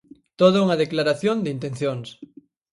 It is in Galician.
Toda unha declaración de intencións.